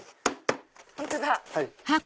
本当だ。